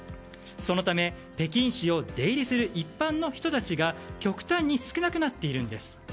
そのため、北京市を出入りする一般の人たちが極端に少なくなっているんです。